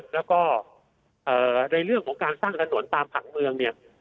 แล้วก็ในเรื่องของการสร้างถนนตามผังเมืองเนี่ย